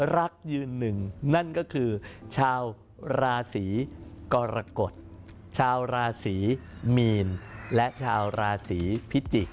รักยืนหนึ่งนั่นก็คือชาวราศีกรกฎชาวราศีมีนและชาวราศีพิจิกษ